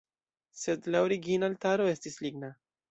Sed la origina altaro estis ligna.